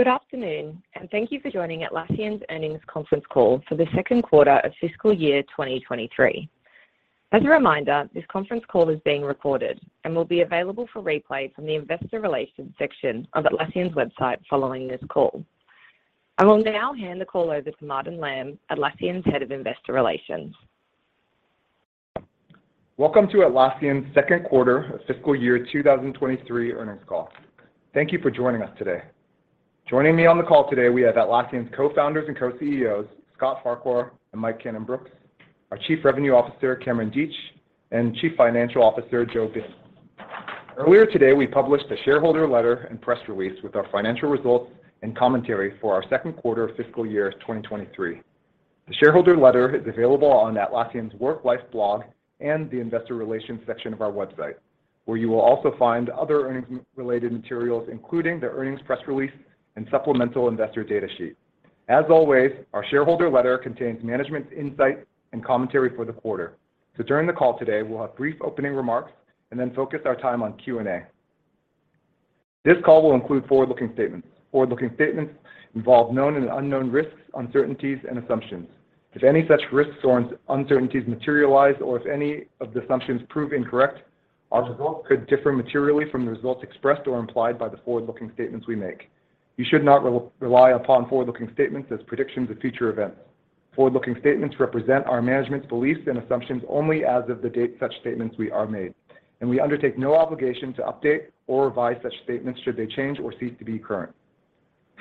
Good afternoon, thank you for joining Atlassian's earnings conference call for the second quarter of fiscal year 2023. As a reminder, this conference call is being recorded and will be available for replay from the Investor Relations section of Atlassian's website following this call. I will now hand the call over to Martin Lam, Atlassian's Head of Investor Relations. Welcome to Atlassian's second quarter of fiscal year 2023 earnings call. Thank you for joining us today. Joining me on the call today, we have Atlassian's Co-Founders and Co-CEOs, Scott Farquhar and Mike Cannon-Brookes, our Chief Revenue Officer, Cameron Deatsch, and Chief Financial Officer, Joe Binz. Earlier today, we published a shareholder letter and press release with our financial results and commentary for our second quarter of fiscal year 2023. The shareholder letter is available on Atlassian's Work Life blog and the investor relations section of our website, where you will also find other earnings-related materials, including the earnings press release and supplemental investor data sheet. As always, our shareholder letter contains management's insight and commentary for the quarter. During the call today, we'll have brief opening remarks and then focus our time on Q&A. This call will include forward-looking statements. Forward-looking statements involve known and unknown risks, uncertainties, and assumptions. If any such risks or uncertainties materialize or if any of the assumptions prove incorrect, our results could differ materially from the results expressed or implied by the forward-looking statements we make. You should not rely upon forward-looking statements as predictions of future events. Forward-looking statements represent our management's beliefs and assumptions only as of the date such statements we are made, and we undertake no obligation to update or revise such statements should they change or cease to be current.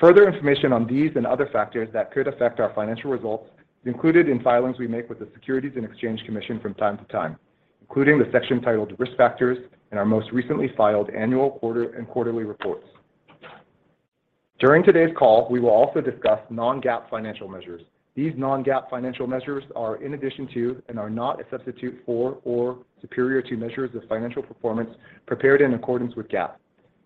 Further information on these and other factors that could affect our financial results is included in filings we make with the Securities and Exchange Commission from time to time, including the section titled Risk Factors in our most recently filed annual quarter and quarterly reports. During today's call, we will also discuss non-GAAP financial measures. These non-GAAP financial measures are in addition to and are not a substitute for or superior to measures of financial performance prepared in accordance with GAAP.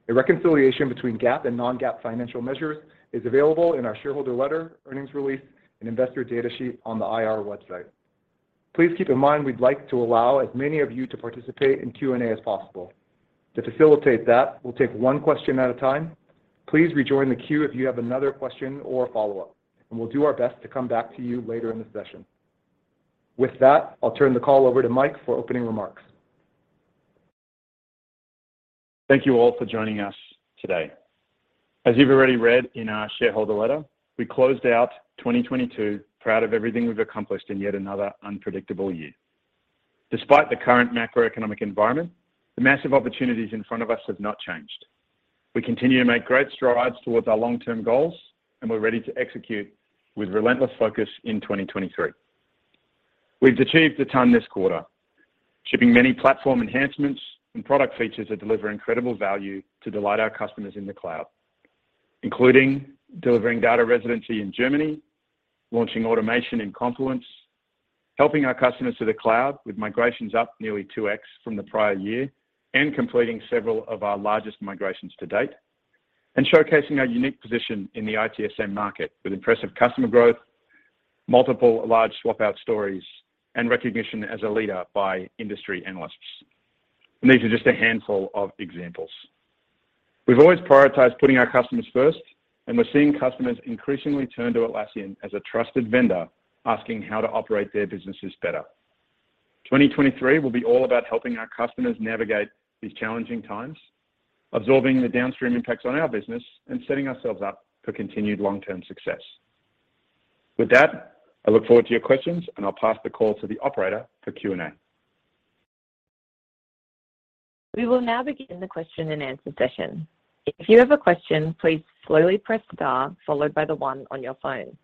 A reconciliation between GAAP and non-GAAP financial measures is available in our shareholder letter, earnings release, and investor data sheet on the IR website. Please keep in mind we'd like to allow as many of you to participate in Q&A as possible. To facilitate that, we'll take one question at a time. Please rejoin the queue if you have another question or follow-up, and we'll do our best to come back to you later in the session. With that, I'll turn the call over to Mike for opening remarks. Thank you all for joining us today. As you've already read in our shareholder letter, we closed out 2022 proud of everything we've accomplished in yet another unpredictable year. Despite the current macroeconomic environment, the massive opportunities in front of us have not changed. We continue to make great strides towards our long-term goals. We're ready to execute with relentless focus in 2023. We've achieved a ton this quarter, shipping many platform enhancements and product features that deliver incredible value to delight our customers in the cloud, including delivering data residency in Germany, launching automation in Confluence, helping our customers to the cloud with migrations up nearly 2x from the prior year and completing several of our largest migrations to date, and showcasing our unique position in the ITSM market with impressive customer growth, multiple large swap-out stories, and recognition as a leader by industry analysts. These are just a handful of examples. We've always prioritized putting our customers first, we're seeing customers increasingly turn to Atlassian as a trusted vendor, asking how to operate their businesses better. 2023 will be all about helping our customers navigate these challenging times, absorbing the downstream impacts on our business and setting ourselves up for continued long-term success. With that, I look forward to your questions, and I'll pass the call to the operator for Q&A. We will now begin the question-and-answer session. If you have a question, please slowly press star followed by the one on your phone.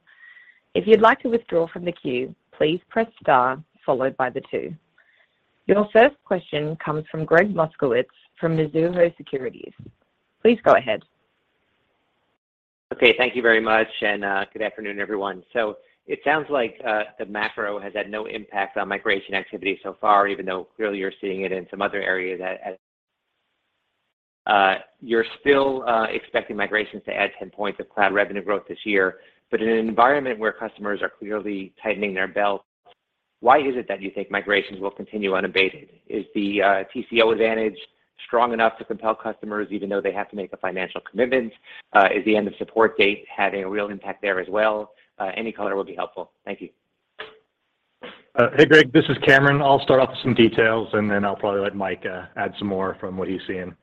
If you'd like to withdraw from the queue, please press star followed by the two. Your first question comes from Gregg Moskowitz from Mizuho Securities. Please go ahead. Okay. Thank you very much, good afternoon, everyone. It sounds like the macro has had no impact on migration activity so far, even though clearly you're seeing it in some other areas, you're still expecting migrations to add 10 points of cloud revenue growth this year. In an environment where customers are clearly tightening their belts, why is it that you think migrations will continue unabated? Is the TCO advantage strong enough to compel customers even though they have to make a financial commitment? Is the end of support date having a real impact there as well? Any color will be helpful. Thank you. Hey, Greg. This is Cameron. I'll start off with some details, and then I'll probably let Mike add some more from what he's seeing.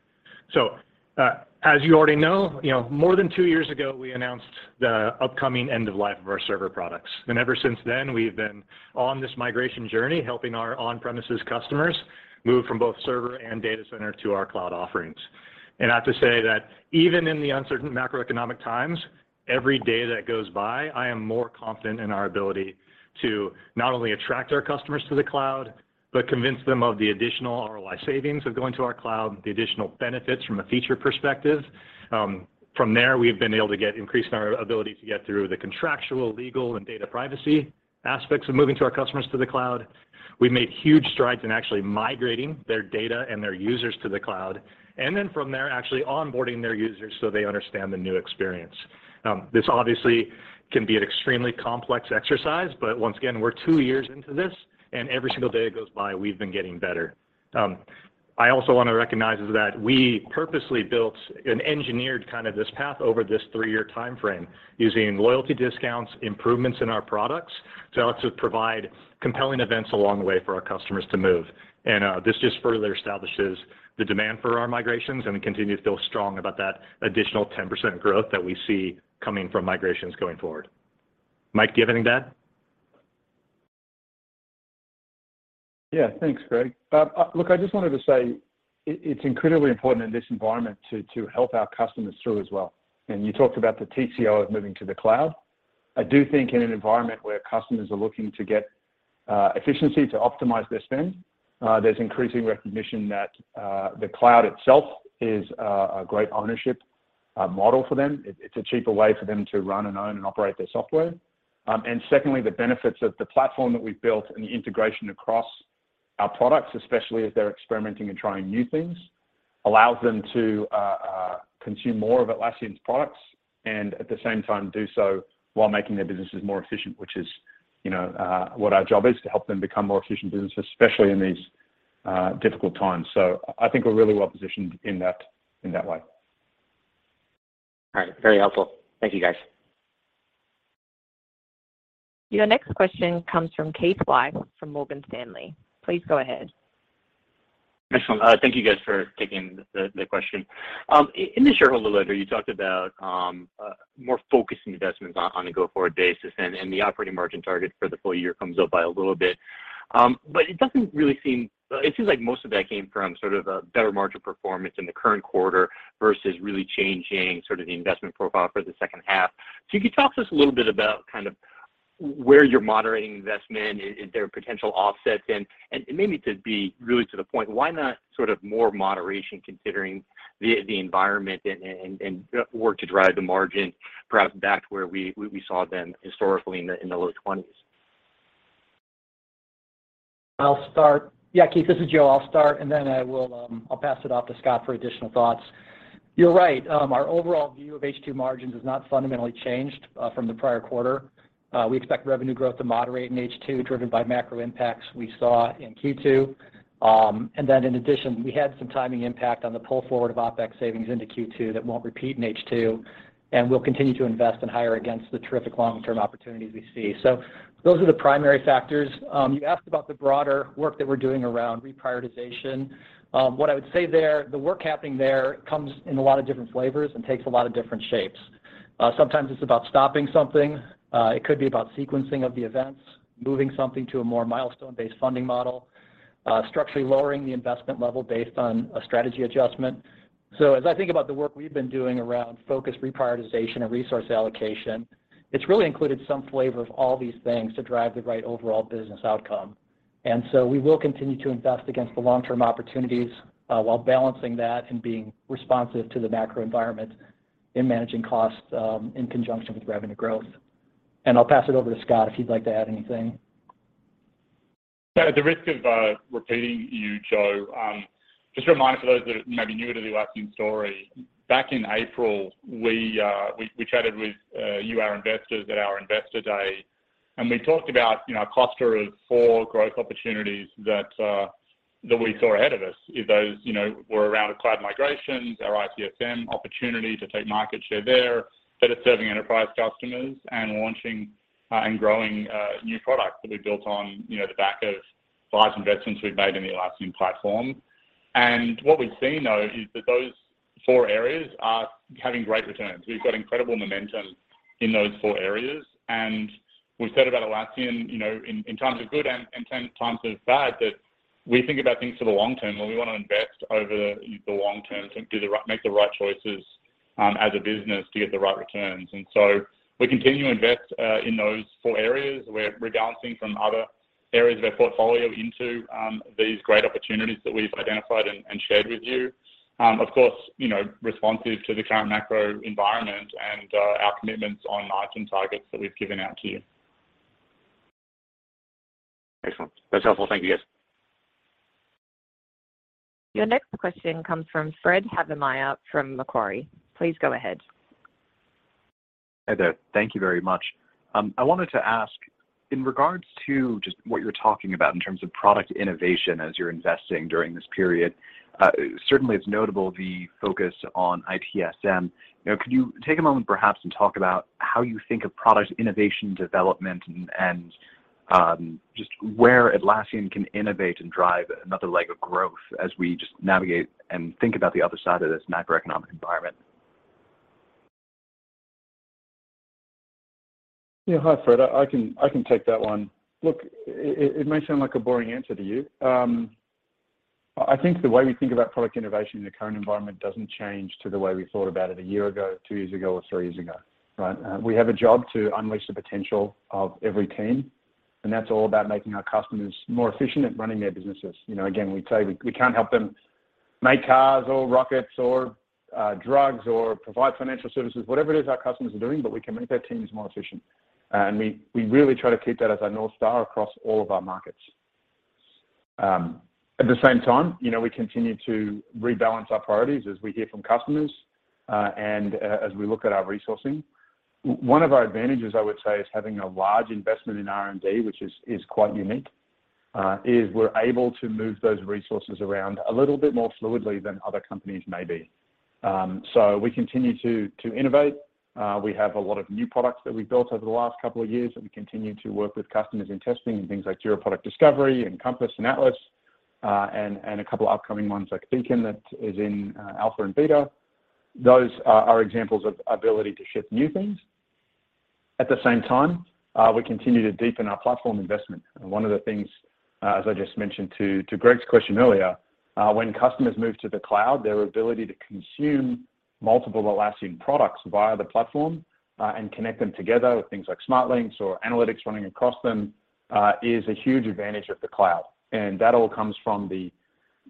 As you already know, you know, more than two years ago, we announced the upcoming end of life of our server products. Ever since then, we've been on this migration journey, helping our on-premises customers move from both server and data center to our cloud offerings. I have to say that even in the uncertain macroeconomic times, every day that goes by, I am more confident in our ability to not only attract our customers to the cloud but convince them of the additional ROI savings of going to our cloud, the additional benefits from a feature perspective. From there, we've been able to get increase in our ability to get through the contractual, legal, and data privacy aspects of moving to our customers to the cloud. We've made huge strides in actually migrating their data and their users to the cloud. From there, actually onboarding their users so they understand the new experience. This obviously Can be an extremely complex exercise. We're two years into this, and every single day that goes by, we've been getting better. I also want to recognize is that we purposely built and engineered kind of this path over this three-year timeframe using loyalty discounts, improvements in our products to allow us to provide compelling events along the way for our customers to move. This just further establishes the demand for our migrations, and we continue to feel strong about that additional 10% growth that we see coming from migrations going forward. Mike, do you have anything to add? Yeah. Thanks, Greg. Look, I just wanted to say it's incredibly important in this environment to help our customers through as well. You talked about the TCO of moving to the cloud. I do think in an environment where customers are looking to get efficiency to optimize their spend, there's increasing recognition that the cloud itself is a great ownership model for them. It's a cheaper way for them to run and own and operate their software. Secondly, the benefits of the platform that we've built and the integration across our products, especially as they're experimenting and trying new things, allows them to consume more of Atlassian's products, and at the same time, do so while making their businesses more efficient, which is, you know, what our job is, to help them become more efficient businesses, especially in these difficult times. I think we're really well-positioned in that, in that way. All right. Very helpful. Thank you, guys. Your next question comes from Keith Weiss from Morgan Stanley. Please go ahead. Excellent. Thank you guys for taking the question. In the shareholder letter, you talked about more focus in investments on a go-forward basis. The operating margin target for the full year comes up by a little bit. It seems like most of that came from sort of a better margin performance in the current quarter versus really changing sort of the investment profile for the second half. If you could talk to us a little bit about kind of where you're moderating investment, is there potential offsets? Maybe to be really to the point, why not sort of more moderation considering the environment and work to drive the margin perhaps back to where we saw them historically in the low 20s? I'll start. Yeah, Keith, this is Joe. I'll start, and then I'll pass it off to Scott for additional thoughts. You're right. Our overall view of H2 margins has not fundamentally changed from the prior quarter. We expect revenue growth to moderate in H2, driven by macro impacts we saw in Q2. In addition, we had some timing impact on the pull forward of OpEx savings into Q2 that won't repeat in H2, and we'll continue to invest and hire against the terrific long-term opportunities we see. Those are the primary factors. You asked about the broader work that we're doing around reprioritization. What I would say there, the work happening there comes in a lot of different flavors and takes a lot of different shapes. Sometimes it's about stopping something. It could be about sequencing of the events, moving something to a more milestone-based funding model, structurally lowering the investment level based on a strategy adjustment. As I think about the work we've been doing around focus reprioritization and resource allocation, it's really included some flavor of all these things to drive the right overall business outcome. We will continue to invest against the long-term opportunities, while balancing that and being responsive to the macro environment in managing costs, in conjunction with revenue growth. I'll pass it over to Scott, if you'd like to add anything. At the risk of repeating you, Joe, just a reminder for those that are maybe newer to the Atlassian story, back in April, we chatted with you, our investors at our investor day, and we talked about, you know, a cluster of four growth opportunities that we saw ahead of us. Those, you know, were around the cloud migrations, our ITSM opportunity to take market share there, better serving enterprise customers, and launching and growing new products that we built on, you know, the back of large investments we've made in the Atlassian platform. What we've seen, though, is that those four areas are having great returns. We've got incredible momentum in those four areas. We've said about Atlassian, you know, in times of good and times of bad, that we think about things for the long term, and we want to invest over the long term to make the right choices, as a business to get the right returns. We continue to invest in those four areas. We're rebalancing from other areas of our portfolio into these great opportunities that we've identified and shared with you. Of course, you know, responsive to the current macro environment and our commitments on margin targets that we've given out to you. Excellent. That's helpful. Thank you, guys. Your next question comes from Frederick Havemeyer from Macquarie. Please go ahead. Hi there. Thank you very much. I wanted to ask, in regards to just what you were talking about in terms of product innovation as you're investing during this period, certainly it's notable the focus on ITSM. You know, could you take a moment perhaps and talk about how you think of product innovation development and, just where Atlassian can innovate and drive another leg of growth as we just navigate and think about the other side of this macroeconomic environment? Yeah. Hi, Fred. I can take that one. Look, it may sound like a boring answer to you. I think the way we think about product innovation in the current environment doesn't change to the way we thought about it 1 year ago, two years ago, or three years ago, right? We have a job to unleash the potential of every team, and that's all about making our customers more efficient at running their businesses. You know, again, we say we can't help them make cars or rockets or drugs or provide financial services, whatever it is our customers are doing, but we can make their teams more efficient. We, we really try to keep that as our north star across all of our markets. At the same time, you know, we continue to rebalance our priorities as we hear from customers, and as we look at our resourcing. One of our advantages, I would say, is having a large investment in R&D, which is quite unique, is we're able to move those resources around a little bit more fluidly than other companies may be. We continue to innovate. We have a lot of new products that we've built over the last couple of years, and we continue to work with customers in testing and things like Jira Product Discovery and Compass and Atlas, and a couple upcoming ones like Beacon that is in alpha and beta. Those are examples of ability to ship new things. At the same time, we continue to deepen our platform investment. One of the things, as I just mentioned to Gregg's question earlier, when customers move to the cloud, their ability to consume multiple Atlassian products via the platform, and connect them together with things like Smart Links or analytics running across them, is a huge advantage of the cloud. That all comes from the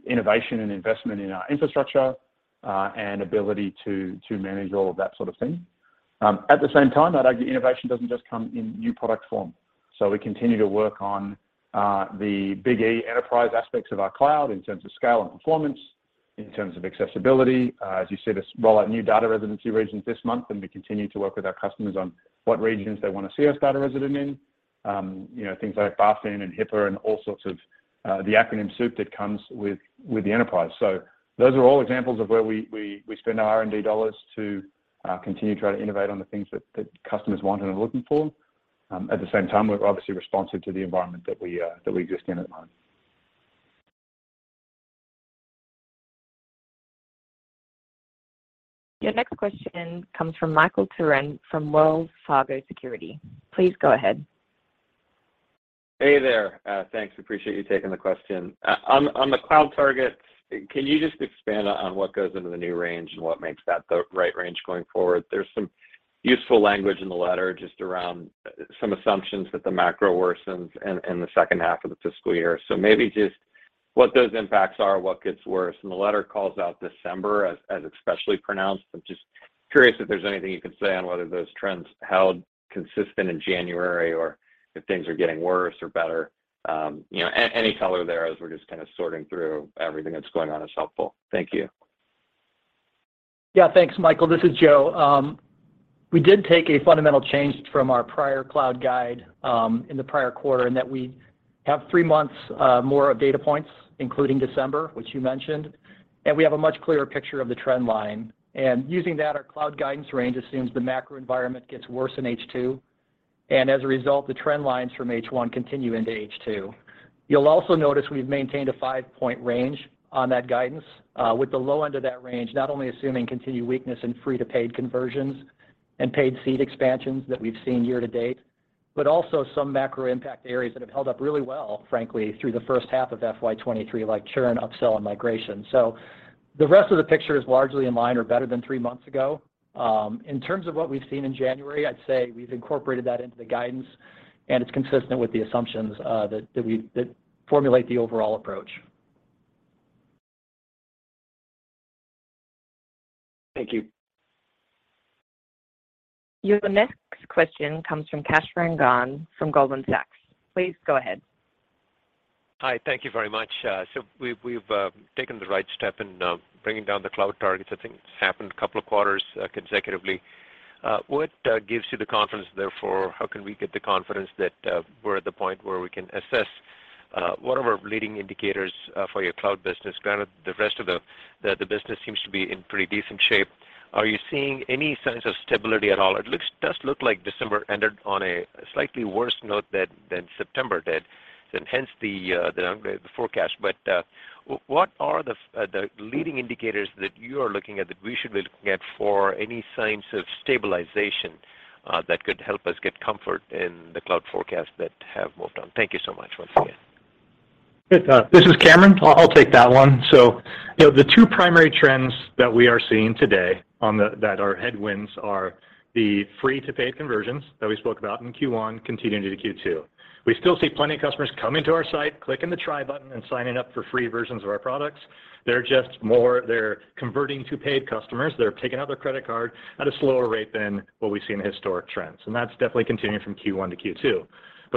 innovation and investment in our infrastructure, and ability to manage all of that sort of thing. At the same time, I'd argue innovation doesn't just come in new product form. We continue to work on the big E enterprise aspects of our cloud in terms of scale and performance, in terms of accessibility. As you see this roll out new data residency regions this month, and we continue to work with our customers on what regions they wanna see us data resident in. You know, things like FAFSA and HIPAA and all sorts of the acronym soup that comes with the enterprise. Those are all examples of where we spend our R&D dollars to continue to try to innovate on the things that customers want and are looking for. At the same time, we're obviously responsive to the environment that we exist in at the moment. Your next question comes from Michael Turrin from Wells Fargo Securities. Please go ahead. Hey there. Thanks. Appreciate you taking the question. On the cloud targets, can you just expand on what goes into the new range and what makes that the right range going forward? There's some useful language in the letter just around some assumptions that the macro worsens in the second half of the fiscal year. Maybe just what those impacts are, what gets worse. The letter calls out December as especially pronounced. I'm just curious if there's anything you can say on whether those trends held consistent in January or if things are getting worse or better. You know, any color there as we're just kind of sorting through everything that's going on is helpful. Thank you. Yeah. Thanks, Michael. This is Joe. We did take a fundamental change from our prior cloud guide, in the prior quarter, and that we have three months more of data points, including December, which you mentioned, and we have a much clearer picture of the trend line. Using that, our cloud guidance range assumes the macro environment gets worse in H2, and as a result, the trend lines from H1 continue into H2. You'll also notice we've maintained a five-point range on that guidance, with the low end of that range not only assuming continued weakness in free to paid conversions and paid seat expansions that we've seen year to date, but also some macro impact areas that have held up really well, frankly, through the first half of FY 2023, like churn, upsell and migration. The rest of the picture is largely in line or better than three months ago. In terms of what we've seen in January, I'd say we've incorporated that into the guidance, and it's consistent with the assumptions that formulate the overall approach. Thank you. Your next question comes from Kash Rangan from Goldman Sachs. Please go ahead. Hi, thank you very much. We've taken the right step in bringing down the cloud targets. I think it's happened a couple of quarters consecutively. What gives you the confidence, therefore, how can we get the confidence that we're at the point where we can assess what are our leading indicators for your cloud business, granted the rest of the business seems to be in pretty decent shape? Are you seeing any signs of stability at all? It does look like December ended on a slightly worse note than September did, and hence the upgrade, the forecast. What are the leading indicators that you are looking at that we should be looking at for any signs of stabilization that could help us get comfort in the cloud forecast that have moved on? Thank you so much once again. This is Cameron. I'll take that one. You know, the two primary trends that we are seeing today that our headwinds are the free to paid conversions that we spoke about in Q1 continuing into Q2. We still see plenty of customers coming to our site, clicking the try button, and signing up for free versions of our products. They're converting to paid customers. They're taking out their credit card at a slower rate than what we've seen in historic trends, and that's definitely continuing from Q1 to Q2.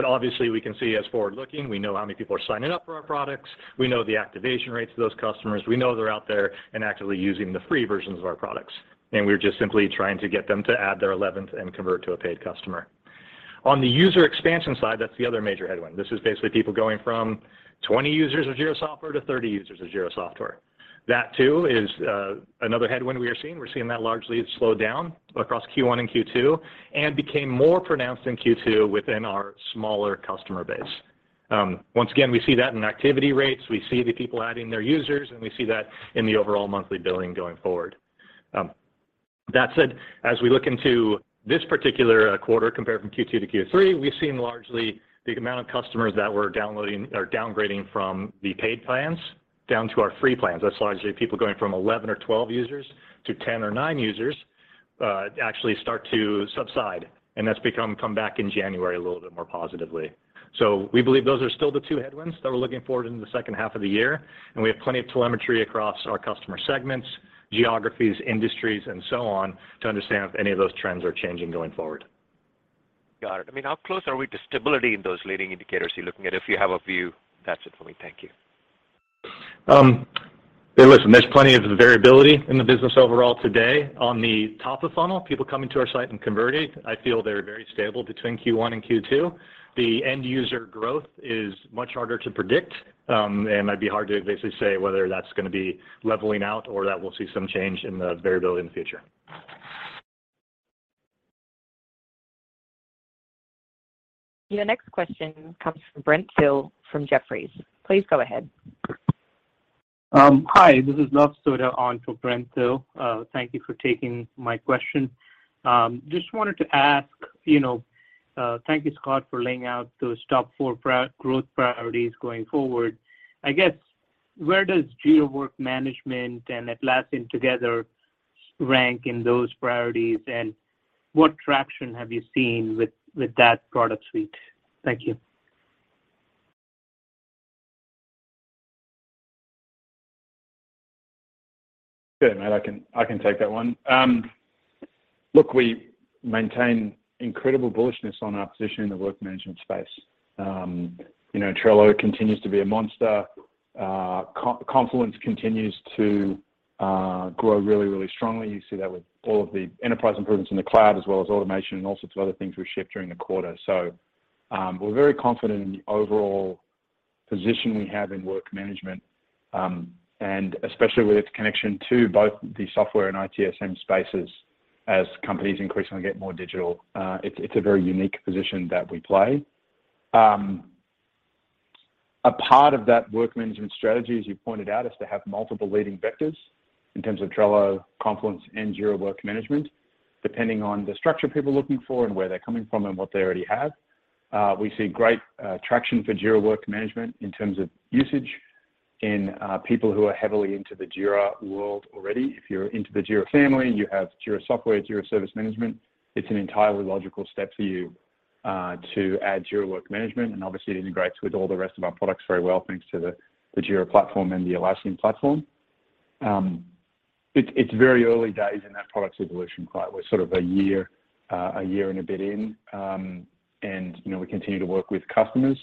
Obviously, we can see as forward-looking, we know how many people are signing up for our products. We know the activation rates of those customers. We know they're out there and actively using the free versions of our products, and we're just simply trying to get them to add their 11th and convert to a paid customer. On the user expansion side, that's the other major headwind. This is basically people going from 20 users of Jira Software to 30 users of Jira Software. That too is another headwind we are seeing. We're seeing that largely it slowed down across Q1 and Q2 and became more pronounced in Q2 within our smaller customer base. Once again, we see that in activity rates. We see the people adding their users, and we see that in the overall monthly billing going forward. That said, as we look into this particular quarter compared from Q2 to Q3, we've seen largely the amount of customers that were downloading or downgrading from the paid plans down to our free plans. That's largely people going from 11 or 12 users to 10 or nine users, actually start to subside, and that's come back in January a little bit more positively. We believe those are still the two headwinds that we're looking forward in the second half of the year, and we have plenty of telemetry across our customer segments, geographies, industries and so on to understand if any of those trends are changing going forward. Got it. I mean, how close are we to stability in those leading indicators you're looking at? If you have a view, that's it for me. Thank you. Hey listen, there's plenty of variability in the business overall today. On the top of funnel, people coming to our site and converting, I feel they're very stable between Q1 and Q2. The end user growth is much harder to predict, and it'd be hard to basically say whether that's going to be leveling out or that we'll see some change in the variability in the future. Your next question comes from Brent Thill from Jefferies. Please go ahead. Hi, this is Luv Sodha on for Brent Thill. Thank you for taking my question. Just wanted to ask, you know, thank you, Scott, for laying out those top four growth priorities going forward. I guess, where does Jira Work Management and Atlassian Together rank in those priorities, and what traction have you seen with that product suite? Thank you. Sure, mate, I can take that one. Look, we maintain incredible bullishness on our position in the work management space. You know, Trello continues to be a monster. Confluence continues to grow really, really strongly. You see that with all of the enterprise improvements in the cloud, as well as automation and all sorts of other things we've shipped during the quarter. We're very confident in the overall position we have in work management, and especially with its connection to both the software and ITSM spaces as companies increasingly get more digital. It's a very unique position that we play. A part of that work management strategy, as you pointed out, is to have multiple leading vectors in terms of Trello, Confluence, and Jira Work Management, depending on the structure people are looking for and where they're coming from and what they already have. We see great traction for Jira Work Management in terms of usage in people who are heavily into the Jira world already. If you're into the Jira family, you have Jira Software, Jira Service Management, it's an entirely logical step for you to add Jira Work Management, and obviously it integrates with all the rest of our products very well thanks to the Jira platform and the Atlassian platform. It's very early days in that product's evolution cycle. We're sort of a year, a year and a bit in. You know, we continue to work with customers.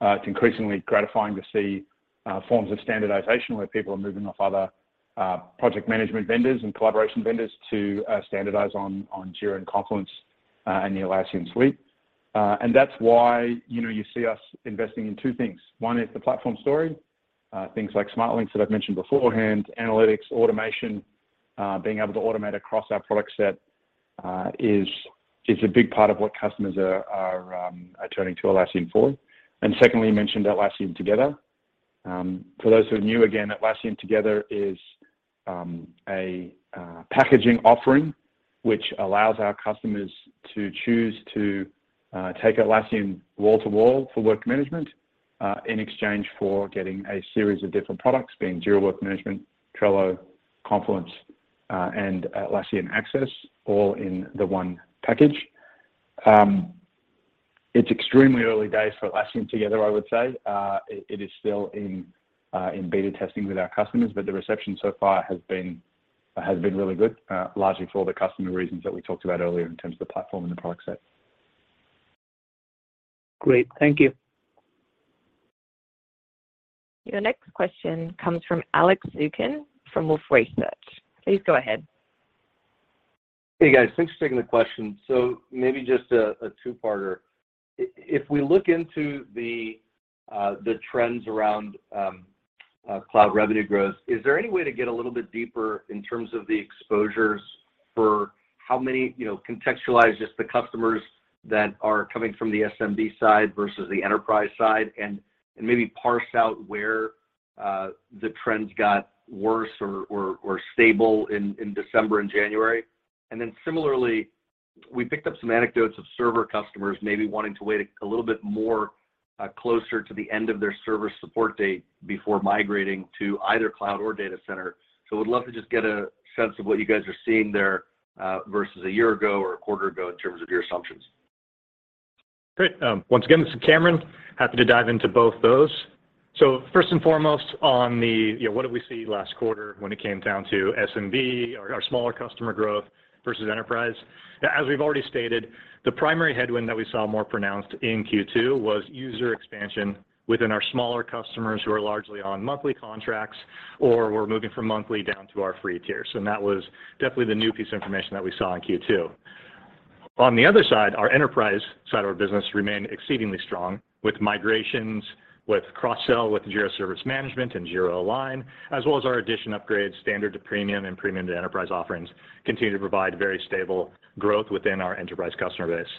It's increasingly gratifying to see forms of standardization where people are moving off other project management vendors and collaboration vendors to standardize on Jira and Confluence and the Atlassian suite. That's why, you know, you see us investing in two things. One is the platform story, things like Smart Links that I've mentioned beforehand, analytics, automation, being able to automate across our product set is a big part of what customers are turning to Atlassian for. Secondly, you mentioned Atlassian Together. For those who are new, again, Atlassian Together is a packaging offering which allows our customers to choose to take Atlassian wall-to-wall for work management, in exchange for getting a series of different products, being Jira Work Management, Trello, Confluence, and Atlassian Access all in the one package. It's extremely early days for Atlassian Together, I would say. It is still in beta testing with our customers, but the reception so far has been really good, largely for all the customer reasons that we talked about earlier in terms of the platform and the product set. Great. Thank you. Your next question comes from Alex Zukin from Wolfe Research. Please go ahead. Hey, guys. Thanks for taking the question. Maybe just a two-parter. If we look into the trends around cloud revenue growth, is there any way to get a little bit deeper in terms of the exposures for how many... you know, contextualize just the customers that are coming from the SMB side versus the enterprise side and maybe parse out where the trends got worse or stable in December and January? Similarly, we picked up some anecdotes of server customers maybe wanting to wait a little bit more closer to the end of their server support date before migrating to either cloud or data center. Would love to just get a sense of what you guys are seeing there versus a year ago or a quarter ago in terms of your assumptions. Great. Once again, this is Cameron. Happy to dive into both those. First and foremost, on the, you know, what did we see last quarter when it came down to SMB or our smaller customer growth versus enterprise, as we've already stated, the primary headwind that we saw more pronounced in Q2 was user expansion within our smaller customers who are largely on monthly contracts or were moving from monthly down to our free tier. That was definitely the new piece of information that we saw in Q2. On the other side, our enterprise side of our business remained exceedingly strong with migrations, with cross-sell with Jira Service Management and Jira Align, as well as our addition upgrades, standard to premium and premium to enterprise offerings continue to provide very stable growth within our enterprise customer base.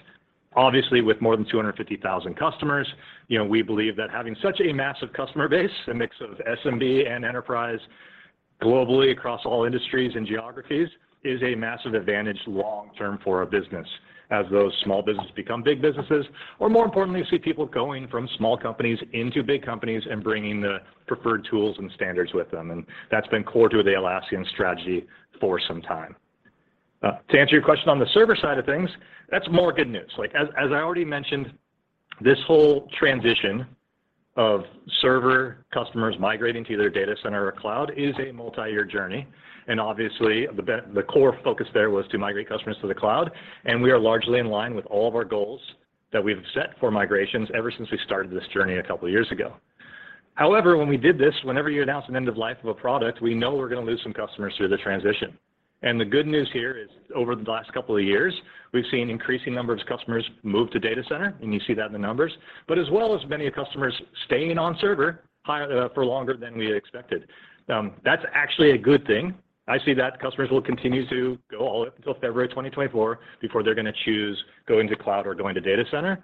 Obviously, with more than 250,000 customers, you know, we believe that having such a massive customer base, a mix of SMB and enterprise globally across all industries and geographies, is a massive advantage long-term for our business as those small businesses become big businesses, or more importantly, we see people going from small companies into big companies and bringing the preferred tools and standards with them. That's been core to the Atlassian strategy for some time. To answer your question on the server side of things, that's more good news. Like, as I already mentioned, this whole transition of server customers migrating to either data center or cloud is a multi-year journey. Obviously, the core focus there was to migrate customers to the cloud. We are largely in line with all of our goals that we've set for migrations ever since we started this journey a couple of years ago. However, when we did this, whenever you announce an end of life of a product, we know we're gonna lose some customers through the transition. The good news here is over the last couple of years, we've seen increasing number of customers move to data center, and you see that in the numbers, but as well as many customers staying on server for longer than we had expected. That's actually a good thing. I see that customers will continue to go all the way until February 2024 before they're gonna choose going to cloud or going to data center.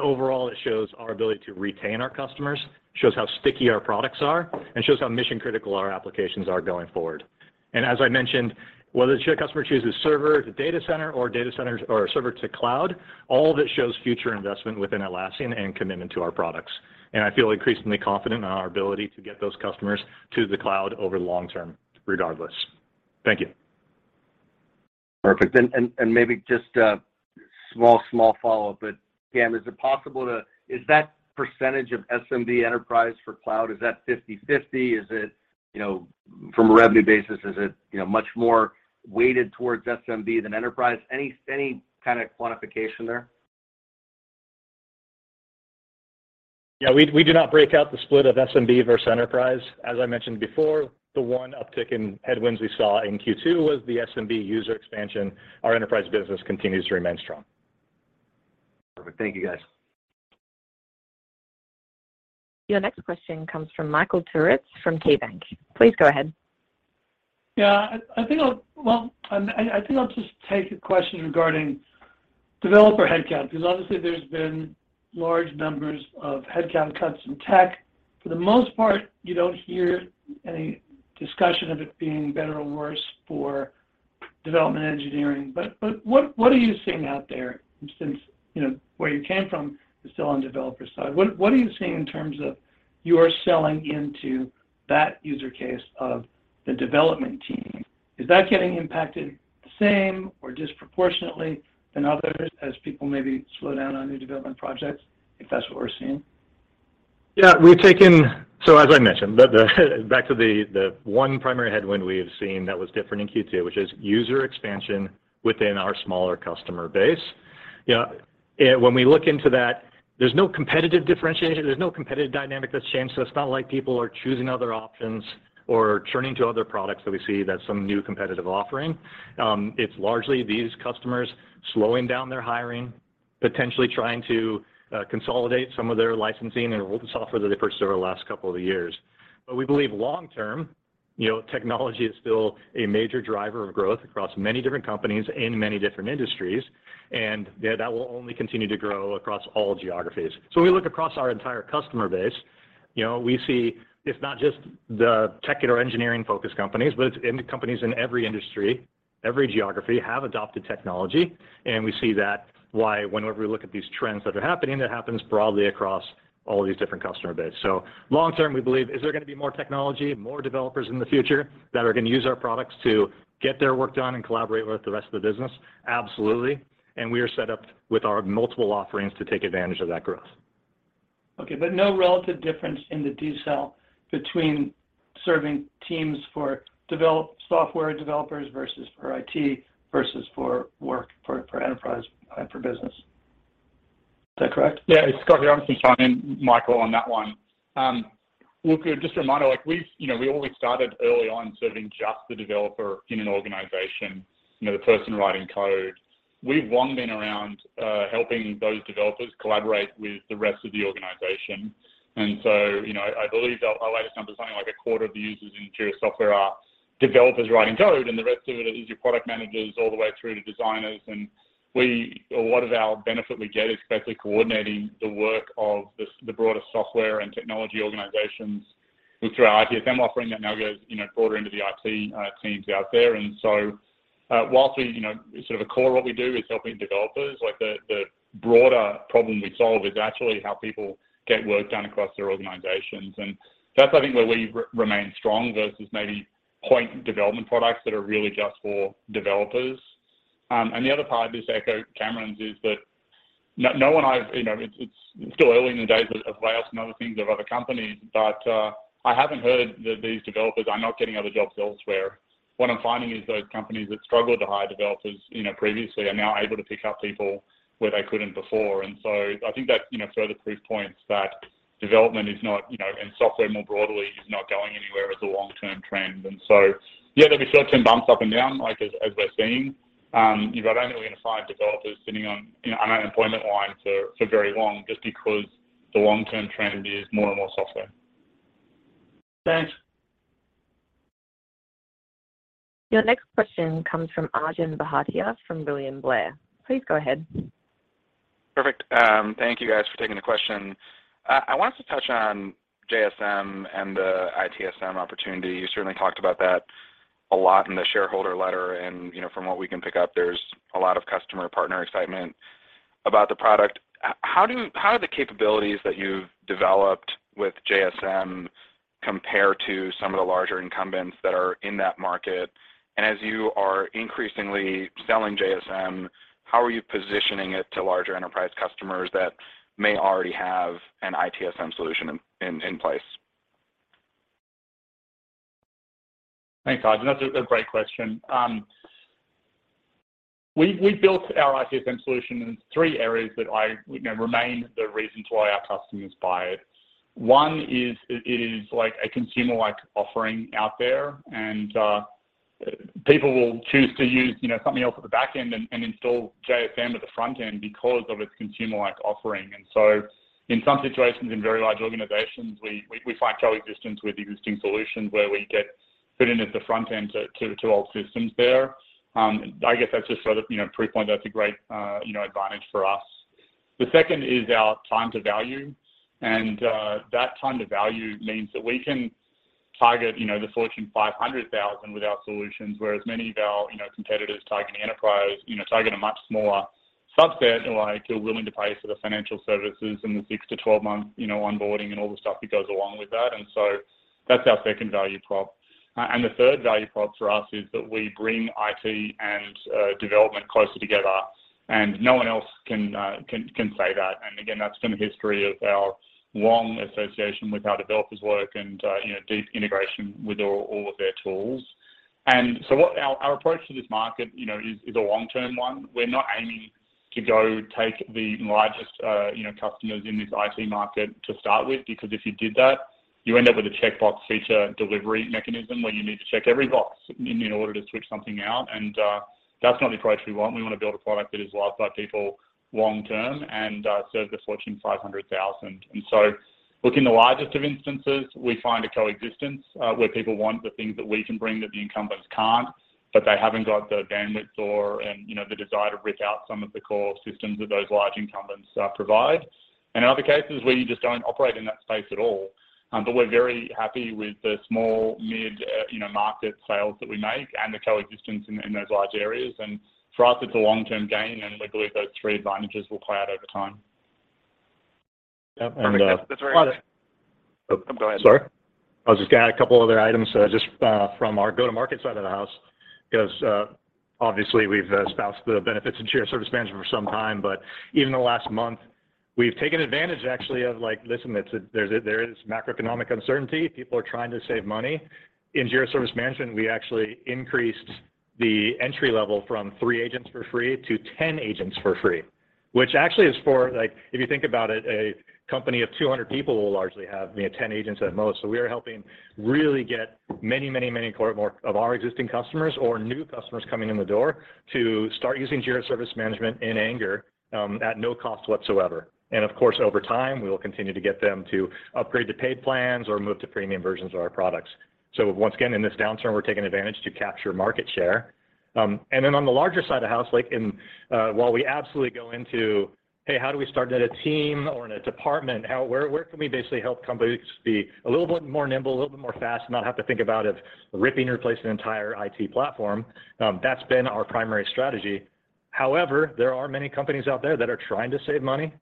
Overall, it shows our ability to retain our customers, shows how sticky our products are, and shows how mission-critical our applications are going forward. As I mentioned, whether the customer chooses server to data center or data center or server to cloud, all of it shows future investment within Atlassian and commitment to our products. I feel increasingly confident in our ability to get those customers to the cloud over long term regardless. Thank you. Perfect. Maybe just a small follow-up. Cam, is it possible to Is that percentage of SMB enterprise for cloud, is that 50/50? Is it, you know, from a revenue basis, is it, you know, much more weighted towards SMB than enterprise? Any kind of quantification there? Yeah. We do not break out the split of SMB versus enterprise. As I mentioned before, the one uptick in headwinds we saw in Q2 was the SMB user expansion. Our enterprise business continues to remain strong. Perfect. Thank you, guys. Your next question comes from Michael Turits from KeyBanc. Please go ahead. Yeah. Well, I think I'll just take a question regarding developer headcount, because obviously there's been large numbers of headcount cuts in tech. For the most part, you don't hear any discussion of it being better or worse for development engineering. What are you seeing out there since, you know, where you came from is still on developer side? What are you seeing in terms of your selling into that user case of the development team? Is that getting impacted the same or disproportionately than others as people maybe slow down on new development projects, if that's what we're seeing? Yeah. As I mentioned, the back to the one primary headwind we have seen that was different in Q2, which is user expansion within our smaller customer base. You know, when we look into that, there's no competitive differentiation, there's no competitive dynamic that's changed, so it's not like people are choosing other options or churning to other products that we see that some new competitive offering. It's largely these customers slowing down their hiring, potentially trying to consolidate some of their licensing and software that they purchased over the last couple of years. We believe long term, you know, technology is still a major driver of growth across many different companies in many different industries, and, you know, that will only continue to grow across all geographies. We look across our entire customer base, you know, we see it's not just the tech or engineering-focused companies, but it's in companies in every industry, every geography have adopted technology, and we see that why whenever we look at these trends that are happening, that happens broadly across all of these different customer base. Long term, we believe is there gonna be more technology, more developers in the future that are gonna use our products to get their work done and collaborate with the rest of the business? Absolutely. We are set up with our multiple offerings to take advantage of that growth. Okay. No relative difference in the decel between serving teams for software developers versus for IT versus for work, for enterprise and for business. Is that correct? Yeah. Scott here. I'm just gonna chime in, Michael, on that one. Look, just a reminder, like we've, you know, we always started early on serving just the developer in an organization, you know, the person writing code. We've long been around, helping those developers collaborate with the rest of the organization. You know, I believe our latest number is something like a quarter of the users in Jira Software are developers writing code, and the rest of it is your product managers all the way through to designers. A lot of our benefit we get is basically coordinating the work of the broader software and technology organizations with our ITSM offering that now goes, you know, broader into the IT teams out there. Whilst we, you know, sort of at core what we do is helping developers, like the broader problem we solve is actually how people get work done across their organizations. That's, I think, where we remain strong versus maybe point development products that are really just for developers. The other part, just to echo Cameron's, is that no one I've... You know, it's still early in the days of LACE and other things of other companies, but I haven't heard that these developers are not getting other jobs elsewhere. What I'm finding is those companies that struggled to hire developers, you know, previously are now able to pick up people where they couldn't before. I think that, you know, further proof points that development is not, you know, and software more broadly is not going anywhere as a long-term trend. Yeah, there'll be short-term bumps up and down, like as we're seeing. I don't think we're gonna find developers sitting on, you know, unemployment line for very long just because the long-term trend is more and more software. Thanks. Your next question comes from Arjun Bhatia from William Blair. Please go ahead. Perfect. Thank you guys for taking the question. I wanted to touch on JSM and the ITSM opportunity. You certainly talked about that a lot in the shareholder letter. You know, from what we can pick up, there's a lot of customer partner excitement about the product. How do the capabilities that you've developed with JSM. Compare to some of the larger incumbents that are in that market, and as you are increasingly selling JSM, how are you positioning it to larger enterprise customers that may already have an ITSM solution in place? Thanks, Todd. That's a great question. We built our ITSM solution in three areas that I, you know, remain the reasons why our customers buy it. One is it is like a consumer-like offering out there, and people will choose to use, you know, something else at the back end and install JSM at the front end because of its consumer-like offering. In some situations, in very large organizations, we find coexistence with existing solutions where we get fit in at the front end to old systems there. I guess that's just sort of, you know, proof point that's a great, you know, advantage for us. The second is our time to value, and that time to value means that we can target, you know, the Fortune 500,000 with our solutions, whereas many of our, you know, competitors target enterprise, you know, target a much smaller subset, like you're willing to pay for the financial services in the 6-12 month, you know, onboarding and all the stuff that goes along with that. That's our second value prop. The third value prop for us is that we bring IT and development closer together, no one else can say that. Again, that's been the history of our long association with how developers work, you know, deep integration with all of their tools. Our approach to this market, you know, is a long-term one. We're not aiming to go take the largest, you know, customers in this IT market to start with. Because if you did that, you end up with a checkbox feature delivery mechanism where you need to check every box in order to switch something out. That's not the approach we want. We want to build a product that is loved by people long term and serve the Fortune 500,000. Looking the largest of instances, we find a coexistence where people want the things that we can bring that the incumbents can't, but they haven't got the bandwidth or, and, you know, the desire to rip out some of the core systems that those large incumbents provide. In other cases, we just don't operate in that space at all. We're very happy with the small mid market sales that we make and the coexistence in those large areas. For us, it's a long-term gain, and we believe those three advantages will play out over time. Yeah. Perfect. That's very helpful. Oh, go ahead. Sorry. I was just gonna add a couple other items, just from our go-to-market side of the house. Obviously we've espoused the benefits of Jira Service Management for some time, but even in the last month, we've taken advantage actually of like, listen, there is macroeconomic uncertainty. People are trying to save money. In Jira Service Management, we actually increased the entry level from three agents for free to 10 agents for free. Which actually is for, like, if you think about it, a company of 200 people will largely have maybe 10 agents at most. We are helping really get many core more of our existing customers or new customers coming in the door to start using Jira Service Management in anger at no cost whatsoever. Of course, over time, we will continue to get them to upgrade to paid plans or move to premium versions of our products. Once again, in this downturn, we're taking advantage to capture market share. On the larger side of the house, like in, while we absolutely go into, hey, how do we start at a team or in a department? Where can we basically help companies be a little bit more nimble, a little bit more fast, and not have to think about it ripping, replacing an entire IT platform? That's been our primary strategy. However, there are many companies out there that are trying to save money,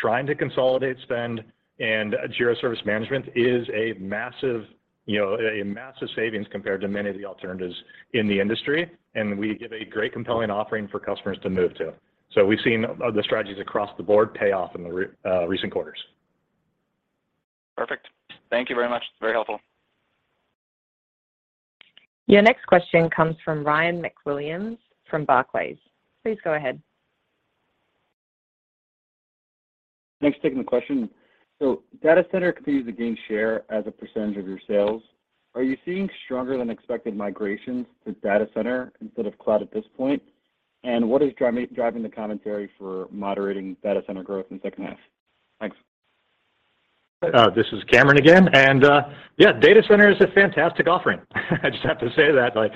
trying to consolidate spend. Jira Service Management is a massive, you know, a massive savings compared to many of the alternatives in the industry. We give a great compelling offering for customers to move to. We've seen other strategies across the board pay off in the recent quarters. Perfect. Thank you very much. Very helpful. Your next question comes from Ryan MacWilliams from Barclays. Please go ahead. Thanks. Taking the question. Data center continues to gain share as a percentage of your sales. Are you seeing stronger than expected migrations to data center instead of cloud at this point? What is driving the commentary for moderating data center growth in second half? Thanks. This is Cameron again. Yeah, data center is a fantastic offering. I just have to say that, like,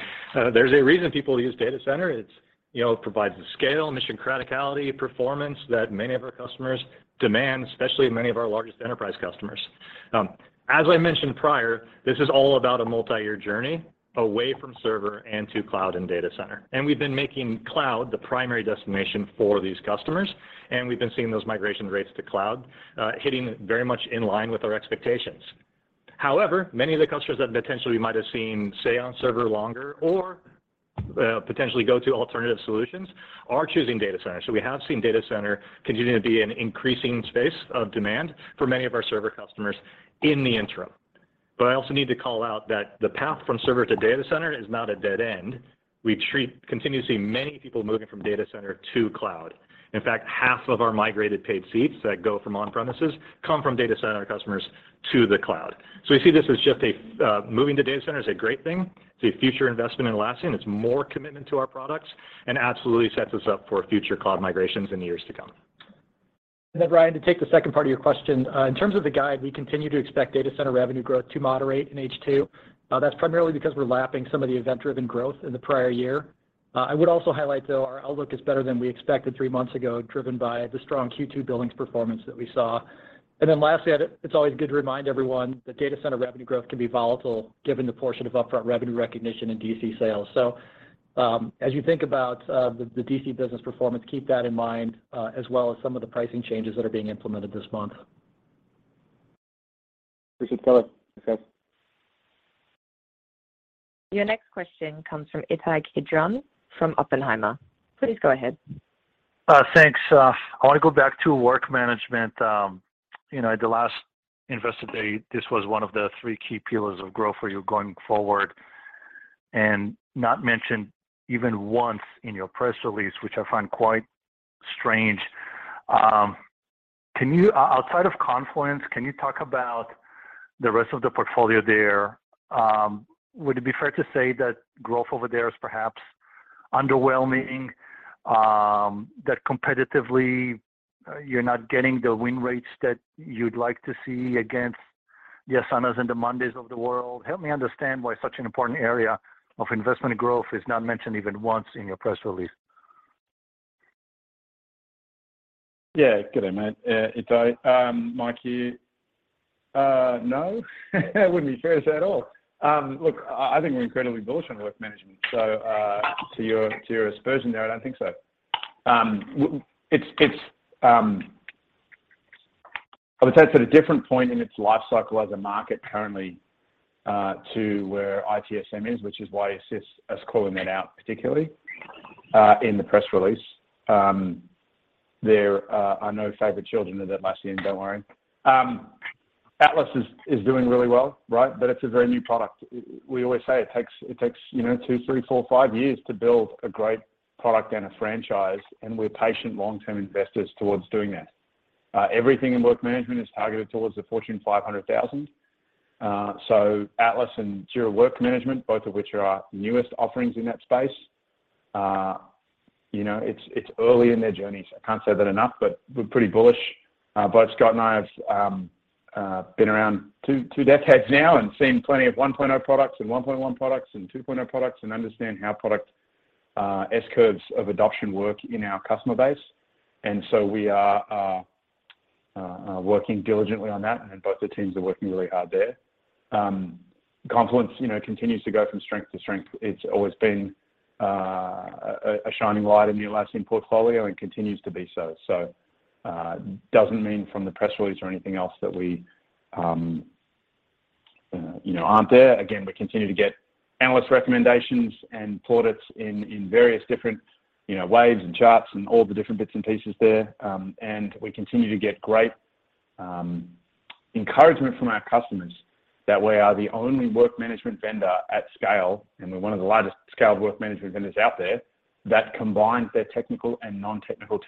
there's a reason people use data center. It's, you know, provides the scale, mission criticality, performance that many of our customers demand, especially many of our largest enterprise customers. As I mentioned prior, this is all about a multi-year journey away from server and to cloud and data center. We've been making cloud the primary destination for these customers, and we've been seeing those migration rates to cloud hitting very much in line with our expectations. However, many of the customers that potentially might have seen stay on server longer or potentially go to alternative solutions are choosing data center. We have seen data center continuing to be an increasing space of demand for many of our server customers in the interim. I also need to call out that the path from server to data center is not a dead end. We continue to see many people moving from data center to cloud. In fact, half of our migrated paid seats that go from on-premises come from data center customers to the cloud. We see this as just a moving to data center is a great thing. It's a future investment in Atlassian. It's more commitment to our products and absolutely sets us up for future cloud migrations in years to come. Ryan, to take the second part of your question, in terms of the guide, we continue to expect data center revenue growth to moderate in H2. That's primarily because we're lapping some of the event-driven growth in the prior year. I would also highlight though our outlook is better than we expected three months ago, driven by the strong Q2 billings performance that we saw. Lastly, it's always good to remind everyone that data center revenue growth can be volatile given the portion of upfront revenue recognition in DC sales. As you think about the DC business performance, keep that in mind, as well as some of the pricing changes that are being implemented this month. Appreciate the color. Thanks, guys. Your next question comes from Ittai Kidron from Oppenheimer. Please go ahead. Thanks. I want to go back to work management. You know, at the last investor day, this was one of the three key pillars of growth for you going forward and not mentioned even once in your press release, which I find quite strange. Outside of Confluence, can you talk about the rest of the portfolio there? Would it be fair to say that growth over there is perhaps underwhelming, that competitively you're not getting the win rates that you'd like to see against the Asana and the monday.com of the world? Help me understand why such an important area of investment growth is not mentioned even once in your press release. Yeah. Good day, mate. Ittai, Mike here. No, that wouldn't be fair to say at all. Look, I think we're incredibly bullish on work management. To your supposition there, I don't think so. I would say it's at a different point in its life cycle as a market currently to where ITSM is, which is why it assists us calling that out, particularly in the press release. There are no favorite children in Atlassian, don't worry. Atlas is doing really well, right? It's a very new product. We always say it takes, you know, two, three, four, five years to build a great product and a franchise, and we're patient long-term investors towards doing that. Everything in work management is targeted towards the Fortune 500,000. Atlas and Jira Work Management, both of which are our newest offerings in that space, you know, it's early in their journeys. I can't say that enough, we're pretty bullish. Both Scott and I have been around two decades now and seen plenty of 1.0 products and 1.1 products and 2.0 products and understand how product S-curves of adoption work in our customer base. We are working diligently on that, and both the teams are working really hard there. Confluence, you know, continues to go from strength to strength. It's always been a shining light in the Atlassian portfolio and continues to be so. Doesn't mean from the press release or anything else that we, you know, aren't there. Again, we continue to get analyst recommendations and plaudits in various different, you know, waves and charts and all the different bits and pieces there. We continue to get great encouragement from our customers that we are the only work management vendor at scale, and we're one of the largest scale work management vendors out there, that combines their technical and non-technical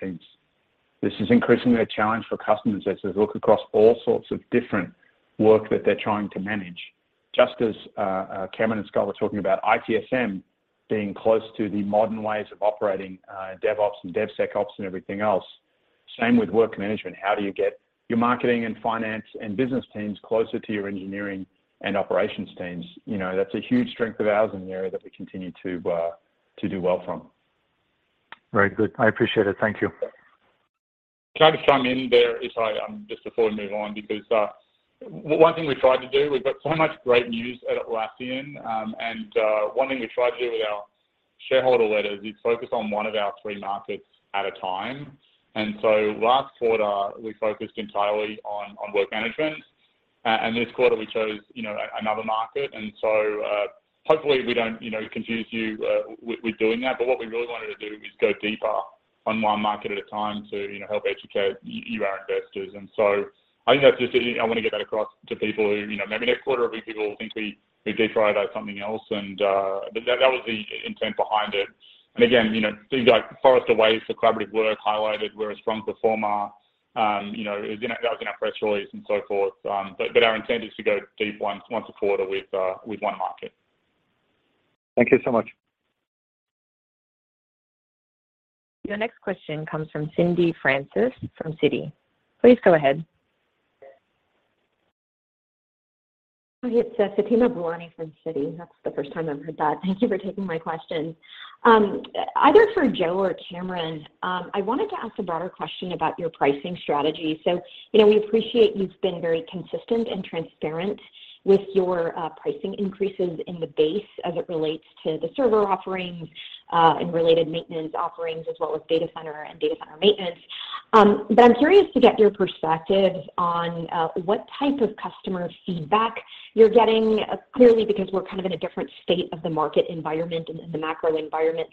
teams. This is increasingly a challenge for customers as they look across all sorts of different work that they're trying to manage. Just as Cameron and Scott were talking about ITSM being close to the modern ways of operating, DevOps and DevSecOps and everything else, same with work management. How do you get your marketing and finance and business teams closer to your engineering and operations teams? You know, that's a huge strength of ours in the area that we continue to do well from. Very good. I appreciate it. Thank you. Can I just chime in there, Ittai, just before we move on because one thing we tried to do, we've got so much great news at Atlassian, and one thing we try to do with our shareholder letters is focus on one of our three markets at a time. Last quarter, we focused entirely on work management. And this quarter, we chose, you know, another market. Hopefully we don't, you know, confuse you with doing that. What we really wanted to do is go deeper on 1 market at a time to, you know, help educate you, our investors. I think that's just, you know, I want to get that across to people who, you know, maybe next quarter, maybe people will think we deep dived on something else and, but that was the intent behind it. You know, things like Forrester Wave for collaborative work highlighted we're a strong performer. You know, that was in our press release and so forth. But our intent is to go deep once a quarter with one market. Thank you so much. Your next question comes from Fatima Boolani from Citi. Please go ahead. Hi, it's Fatima Boolani from Citi. That's the first time I've heard that. Thank you for taking my question. Either for Joe Binz or Cameron Deatsch, I wanted to ask a broader question about your pricing strategy. You know, we appreciate you've been very consistent and transparent with your pricing increases in the base as it relates to the server offerings and related maintenance offerings, as well as Data Center and Data Center maintenance. I'm curious to get your perspectives on what type of customer feedback you're getting, clearly because we're kind of in a different state of the market environment and the macro environment.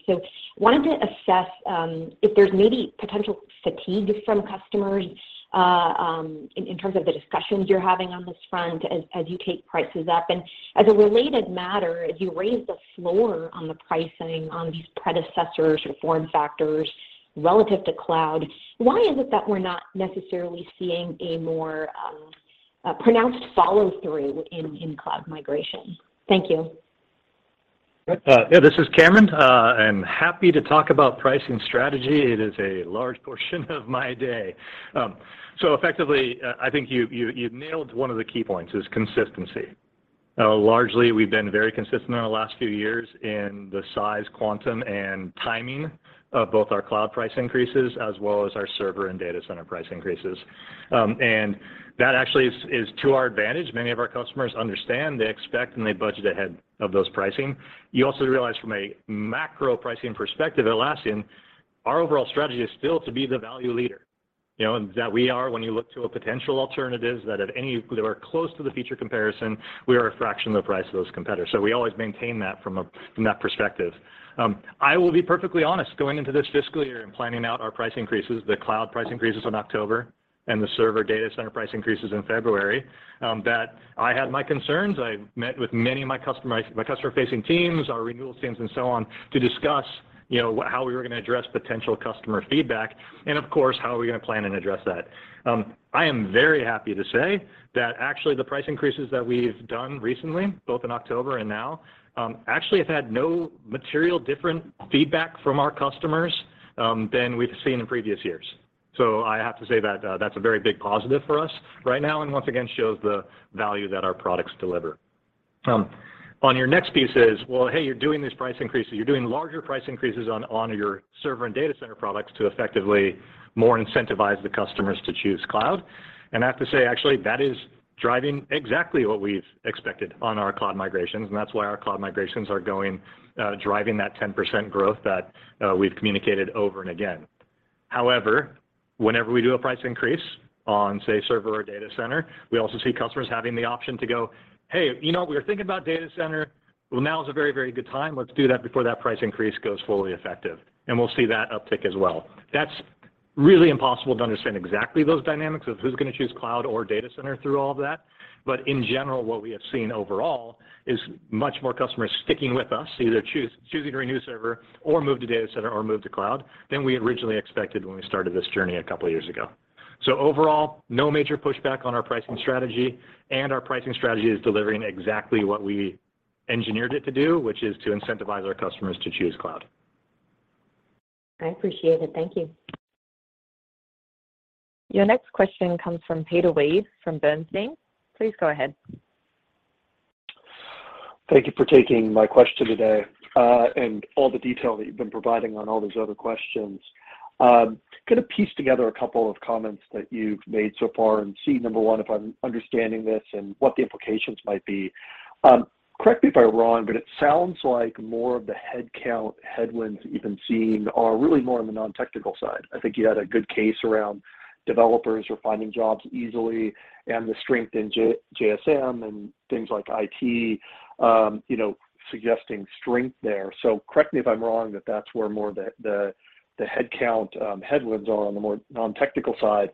Wanted to assess if there's maybe potential fatigue from customers in terms of the discussions you're having on this front as you take prices up. As a related matter, as you raise the floor on the pricing on these predecessors or form factors relative to cloud, why is it that we're not necessarily seeing a more pronounced follow-through in cloud migration? Thank you. Yeah, this is Cameron. I'm happy to talk about pricing strategy. It is a large portion of my day. Effectively, I think you, you nailed one of the key points is consistency. Largely, we've been very consistent over the last few years in the size, quantum, and timing of both our cloud price increases as well as our server and data center price increases. That actually is to our advantage. Many of our customers understand, they expect, and they budget ahead of those pricing. You also realize from a macro pricing perspective, Atlassian, our overall strategy is still to be the value leader. You know, when you look to a potential alternatives that are close to the feature comparison, we are a fraction of the price of those competitors. We always maintain that from that perspective. I will be perfectly honest, going into this fiscal year and planning out our price increases, the cloud price increases in October and the server data center price increases in February, that I had my concerns. I met with many of my customer-facing teams, our renewal teams and so on, to discuss, you know, how we were going to address potential customer feedback and of course, how are we going to plan and address that. I am very happy to say that actually the price increases that we've done recently, both in October and now, actually have had no material different feedback from our customers than we've seen in previous years. I have to say that that's a very big positive for us right now, and once again shows the value that our products deliver. On your next piece is, well, hey, you're doing these price increases, you're doing larger price increases on your server and data center products to effectively more incentivize the customers to choose cloud. I have to say, actually, that is driving exactly what we've expected on our cloud migrations, and that's why our cloud migrations are going, driving that 10% growth that we've communicated over and again. However, whenever we do a price increase on, say, server or data center, we also see customers having the option to go, "Hey, you know, we are thinking about data center. Well, now is a very, very good time. Let's do that before that price increase goes fully effective." We'll see that uptick as well. That's really impossible to understand exactly those dynamics of who's going to choose cloud or data center through all of that. In general, what we have seen overall is much more customers sticking with us, either choosing to renew server or move to data center or move to cloud than we originally expected when we started this journey a couple of years ago. Overall, no major pushback on our pricing strategy, and our pricing strategy is delivering exactly what we engineered it to do, which is to incentivize our customers to choose cloud. I appreciate it. Thank you. Your next question comes from Peter Weed from Bernstein. Please go ahead. Thank you for taking my question today, and all the detail that you've been providing on all these other questions. Going to piece together a couple of comments that you've made so far and see, number one, if I'm understanding this and what the implications might be. Correct me if I'm wrong, it sounds like more of the headcount headwinds you've been seeing are really more on the non-technical side. I think you had a good case around developers who are finding jobs easily and the strength in JSM and things like IT, you know, suggesting strength there. Correct me if I'm wrong, that's where more the headcount headwinds are on the more non-technical side.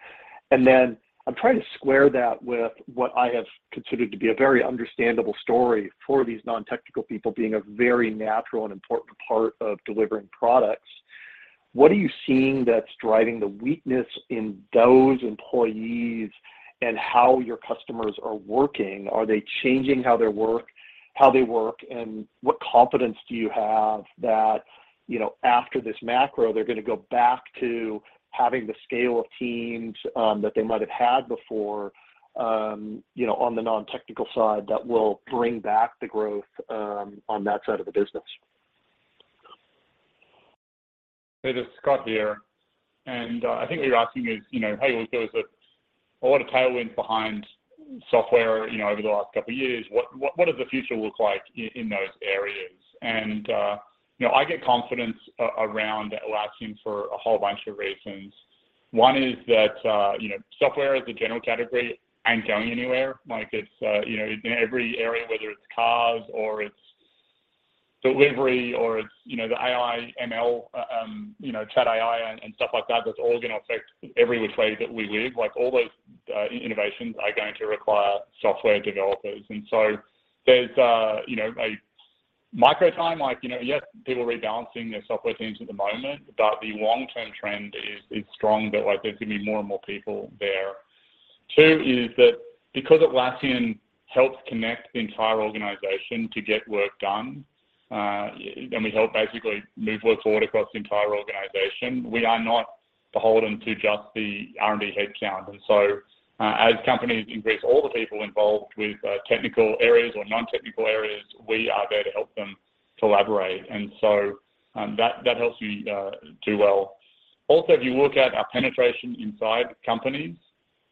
I'm trying to square that with what I have considered to be a very understandable story for these non-technical people being a very natural and important part of delivering products. What are you seeing that's driving the weakness in those employees and how your customers are working? Are they changing how they work? What confidence do you have that, you know, after this macro, they're going to go back to having the scale of teams that they might have had before, you know, on the non-technical side that will bring back the growth on that side of the business? Hey, this is Scott here, and I think what you're asking is, you know, hey, there was a lot of tailwind behind software, you know, over the last couple of years. What does the future look like in those areas? You know, I get confidence around Atlassian for a whole bunch of reasons. One is that, you know, software as a general category ain't going anywhere. Like it's, you know, in every area, whether it's cars or it's delivery or it's, you know, the AI, ML, you know, chat AI and stuff like that's all gonna affect every way that we live. All those innovations are going to require software developers. There's, you know, a micro time, like, you know, yes, people rebalancing their software teams at the moment, but the long-term trend is strong that, like there's gonna be more and more people there. Two is that because Atlassian helps connect the entire organization to get work done, and we help basically move work forward across the entire organization, we are not beholden to just the R&D headcount. As companies increase all the people involved with, technical areas or non-technical areas, we are there to help them collaborate. That helps me, do well. Also, if you look at our penetration inside companies,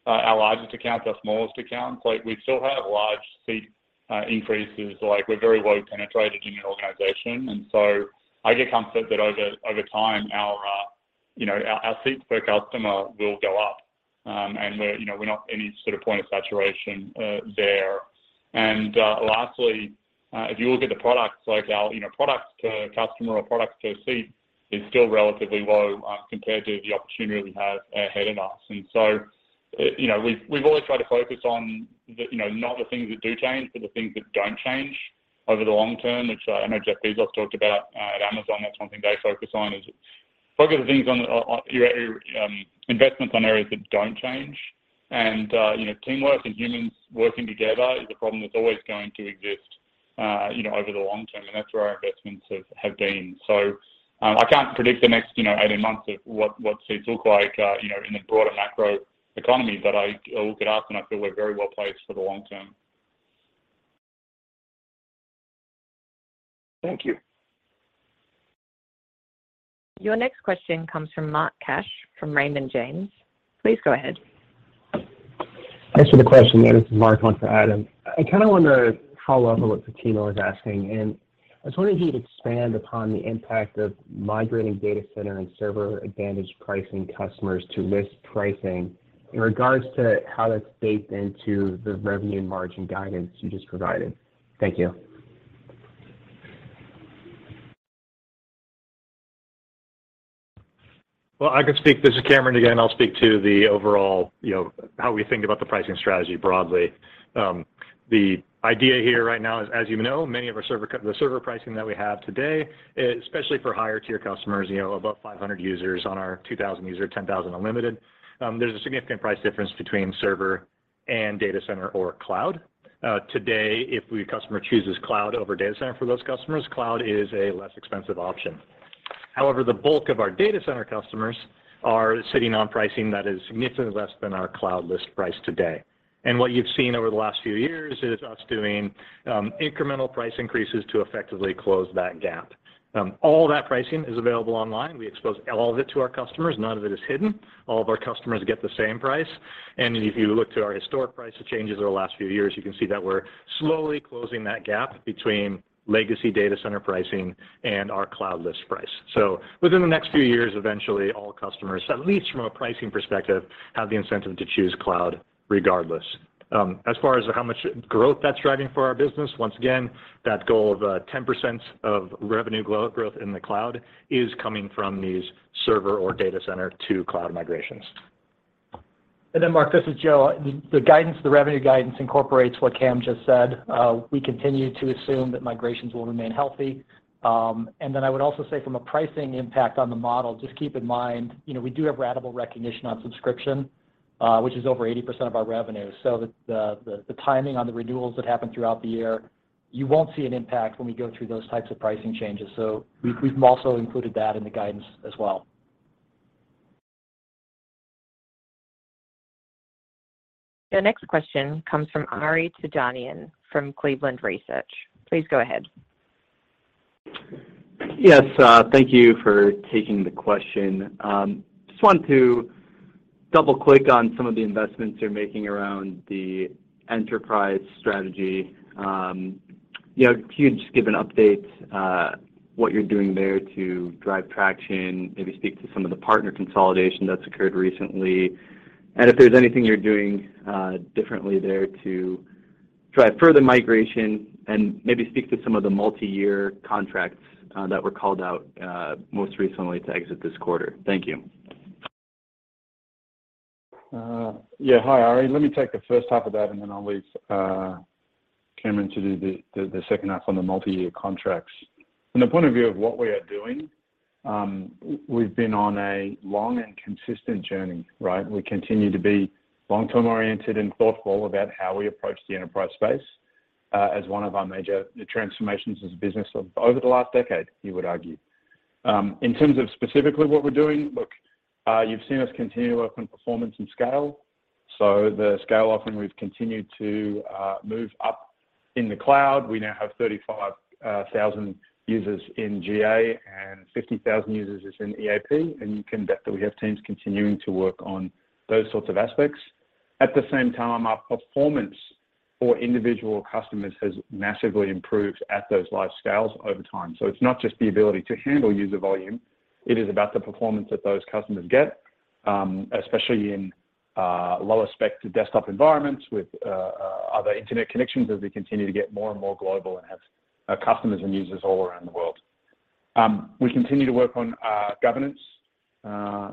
our largest accounts, our smallest accounts, like we still have large seat, increases. Like we're very well penetrated in the organization. I get comfort that over time, our, you know, our seats per customer will go up. We're, you know, we're not any sort of point of saturation there. Lastly, if you look at the products like our, you know, products to customer or products to a seat is still relatively low compared to the opportunity we have ahead of us. You know, we've always tried to focus on the, you know, not the things that do change, but the things that don't change over the long term, which I know Jeff Bezos talked about at Amazon. That's one thing they focus on is focus on things on investments on areas that don't change. You know, teamwork and humans working together is a problem that's always going to exist, you know, over the long term, and that's where our investments have been. I can't predict the next, you know, 18 months of what seats look like, you know, in the broader macro economy. I look at us, and I feel we're very well placed for the long term. Thank you. Your next question comes from Mark Cash from Raymond James. Please go ahead. Thanks for the question. This is Mark, on for Adam. I kind of wonder how level what Fatima was asking, and I was wondering if you'd expand upon the impact of migrating data center and server advantage pricing customers to list pricing in regards to how that's baked into the revenue margin guidance you just provided. Thank you. Well, this is Cameron again. I'll speak to the overall, you know, how we think about the pricing strategy broadly. The idea here right now is, as you know, many of our server pricing that we have today, especially for higher tier customers, you know, above 500 users on our 2,000 user, 10,000 unlimited, there's a significant price difference between server and data center or cloud. Today, if a customer chooses cloud over data center for those customers, cloud is a less expensive option. However, the bulk of our data center customers are sitting on pricing that is significantly less than our cloud list price today. What you've seen over the last few years is us doing incremental price increases to effectively close that gap. All that pricing is available online. We expose all of it to our customers. None of it is hidden. All of our customers get the same price. If you look to our historic price changes over the last few years, you can see that we're slowly closing that gap between legacy data center pricing and our cloud list price. Within the next few years, eventually, all customers, at least from a pricing perspective, have the incentive to choose cloud regardless. As far as how much growth that's driving for our business, once again, that goal of 10% of revenue growth in the cloud is coming from these server or data center to cloud migrations. Mark, this is Joe. The guidance, the revenue guidance incorporates what Cam just said. We continue to assume that migrations will remain healthy. I would also say from a pricing impact on the model, just keep in mind, you know, we do have ratable recognition on subscription, which is over 80% of our revenue. The timing on the renewals that happen throughout the year, you won't see an impact when we go through those types of pricing changes. We've also included that in the guidance as well. Your next question comes from Ari Terjanian from Cleveland Research. Please go ahead. Yes. Thank you for taking the question. Just want to double-click on some of the investments you're making around the enterprise strategy. You know, can you just give an update, what you're doing there to drive traction, maybe speak to some of the partner consolidation that's occurred recently, and if there's anything you're doing, differently there to drive further migration, and maybe speak to some of the multi-year contracts, that were called out, most recently to exit this quarter. Thank you. Yeah. Hi, Ari. Let me take the first half of that, then I'll leave Cameron to do the second half on the multi-year contracts. From the point of view of what we are doing, we've been on a long and consistent journey, right? We continue to be long-term oriented and thoughtful about how we approach the enterprise space, as one of our major transformations as a business over the last decade, you would argue. In terms of specifically what we're doing, look, you've seen us continue to work on performance and scale. The scale offering, we've continued to move up in the cloud. We now have 35,000 users in GA and 50,000 users in EAP, and you can bet that we have teams continuing to work on those sorts of aspects. At the same time, our performance for individual customers has massively improved at those large scales over time. It's not just the ability to handle user volume, it is about the performance that those customers get, especially in lower spec-ed desktop environments with other internet connections as we continue to get more and more global and have customers and users all around the world. We continue to work on governance.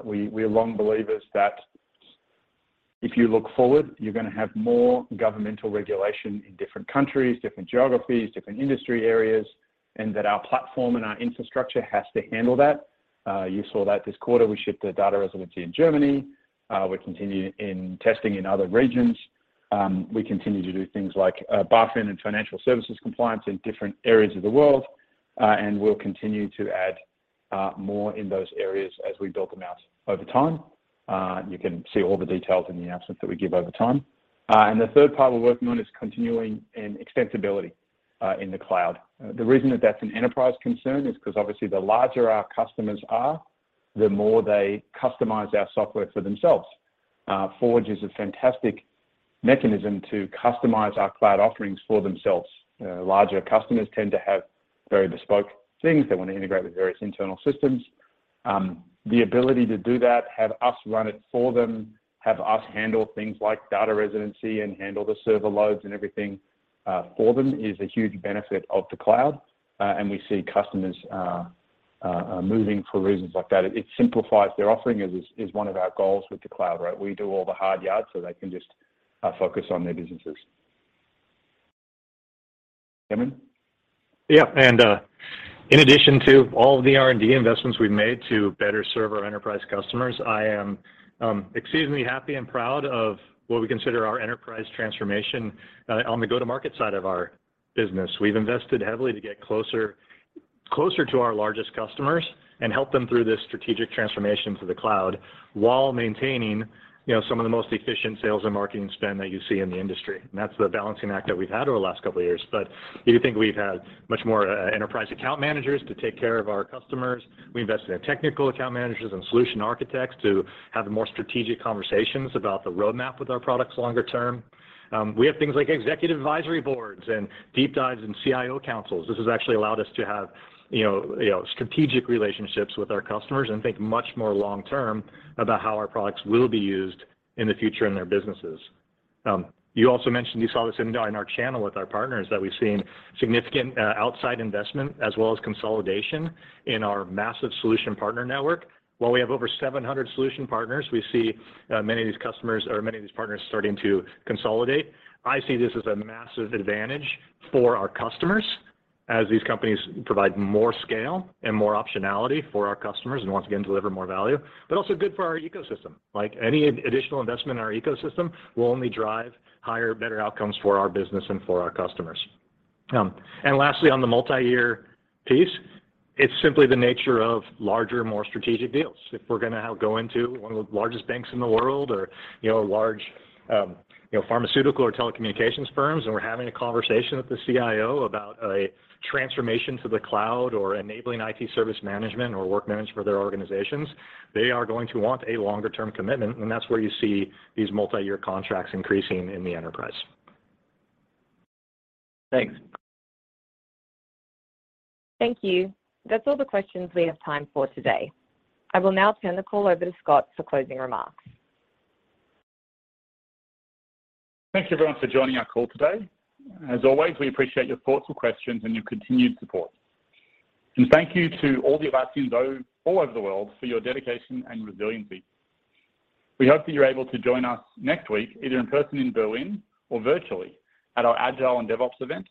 We are long believers that if you look forward, you're going to have more governmental regulation in different countries, different geographies, different industry areas, and our platform and our infrastructure has to handle that. You saw that this quarter. We shipped to data residency in Germany. We continue in testing in other regions. We continue to do things like BaFin and financial services compliance in different areas of the world, and we'll continue to add more in those areas as we build them out over time. You can see all the details in the announcements that we give over time. The third part we're working on is continuing in extensibility in the cloud. The reason that that's an enterprise concern is 'cause obviously the larger our customers are, the more they customize our software for themselves. Forge is a fantastic mechanism to customize our cloud offerings for themselves. Larger customers tend to have very bespoke things. They want to integrate with various internal systems. The ability to do that, have us run it for them, have us handle things like data residency and handle the server loads and everything for them is a huge benefit of the cloud. We see customers moving for reasons like that. It simplifies their offering is one of our goals with the cloud, right? We do all the hard yard so they can just focus on their businesses. Cameron? In addition to all the R&D investments we've made to better serve our enterprise customers, I am exceedingly happy and proud of what we consider our enterprise transformation on the go-to-market side of our business. We've invested heavily to get closer to our largest customers and help them through this strategic transformation to the cloud while maintaining, you know, some of the most efficient sales and marketing spend that you see in the industry. That's the balancing act that we've had over the last couple of years. You think we've had much more enterprise account managers to take care of our customers. We invested in technical account managers and solution architects to have more strategic conversations about the roadmap with our products longer term. We have things like executive advisory boards and deep dives and CIO councils. This has actually allowed us to have, you know, strategic relationships with our customers and think much more long term about how our products will be used in the future in their businesses. You also mentioned you saw this in our channel with our partners that we've seen significant outside investment as well as consolidation in our massive solution partner network. While we have over 700 solution partners, we see many of these customers or many of these partners starting to consolidate. I see this as a massive advantage for our customers as these companies provide more scale and more optionality for our customers and once again, deliver more value, but also good for our ecosystem. Like any additional investment in our ecosystem will only drive higher, better outcomes for our business and for our customers. lastly, on the multi-year piece, it's simply the nature of larger, more strategic deals. If we're gonna go into one of the largest banks in the world or, you know, a large, you know, pharmaceutical or telecommunications firms, and we're having a conversation with the CIO about a transformation to the cloud or enabling IT service management or work management for their organizations, they are going to want a longer term commitment, and that's where you see these multi-year contracts increasing in the enterprise. Thanks. Thank you. That's all the questions we have time for today. I will now turn the call over to Scott for closing remarks. Thank you everyone for joining our call today. As always, we appreciate your thoughtful questions and your continued support. Thank you to all the Atlassians all over the world for your dedication and resiliency. We hope that you're able to join us next week, either in person in Berlin or virtually at our Agile and DevOps event.